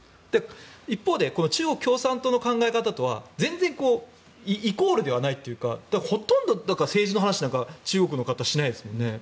一方で中国共産党の考え方とは全然イコールではないというかほとんど政治の話なんか中国の方、しないですもんね。